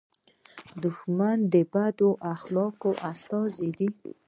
دښمن د بد اخلاقو استازی دی